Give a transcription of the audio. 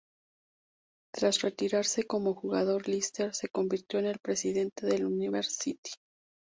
Tras retirarse como jugador, Lister se convirtió en el presidente del Inverness City.